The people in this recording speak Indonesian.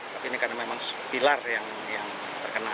tapi ini karena memang pilar yang terkena